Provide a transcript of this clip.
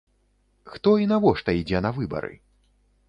Хто і навошта ідзе на выбары?